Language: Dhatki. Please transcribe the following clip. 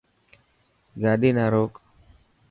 گاڏي نا روڪ.